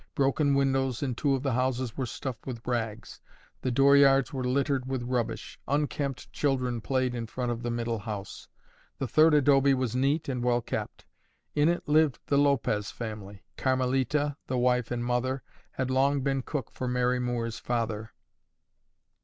Broken windows in two of the houses were stuffed with rags; the door yards were littered with rubbish. Unkempt children played in front of the middle house. The third adobe was neat and well kept. In it lived the Lopez family. Carmelita, the wife and mother, had long been cook for Mary Moore's father.